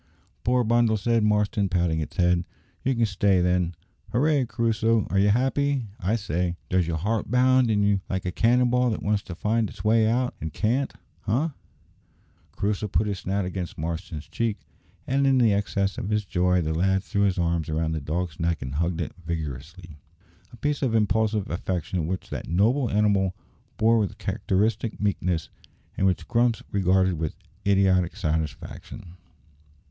"Poor bundle!" said Marston, patting its head, "you can stay then. Hooray! Crusoe, are you happy, I say? Does your heart bound in you like a cannon ball that wants to find its way out, and can't, eh?" Crusoe put his snout against Marston's cheek, and in the excess of his joy the lad threw his arms round the dog's neck and hugged it vigorously a piece of impulsive affection which that noble animal bore with characteristic meekness, and which Grumps regarded with idiotic satisfaction.